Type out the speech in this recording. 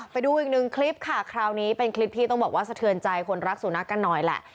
ไปดูอีกหนึ่งคลิปค่ะคราวนี้เป็นคลิปที่ต้องบอกว่าสะเทือนใจคนรักสุนัขกันหน่อยแหละ